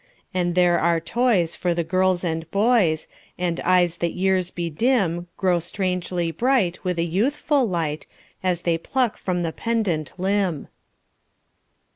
And there are toys for the girls and boys; And eyes that years bedim Grow strangely bright, with a youthful light, As they pluck from the pendant limb.